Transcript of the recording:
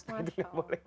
nanti gak boleh